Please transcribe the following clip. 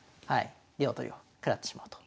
両取りを食らってしまうと。